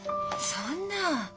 そんな。